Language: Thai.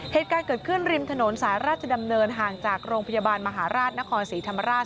เหตุการณ์เกิดขึ้นริมถนนสายราชดำเนินห่างจากโรงพยาบาลมหาราชนครศรีธรรมราช